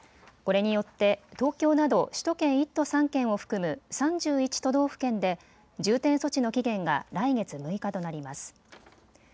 これによって、東京など首都圏１都３県を含む３１都道府県で重点措置の期限が来月６日となります。